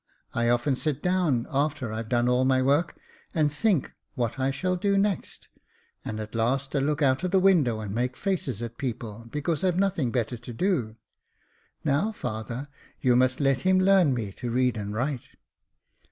I often sit down, after I've done all my work, and think what I shall do next, and at last I look out of the window and make faces at people, because Fve nothing better to do. Now, father, you must let him learn me to read and write."